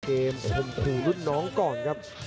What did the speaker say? เกมห่วงผู้รุ่นน้องก่อนครับ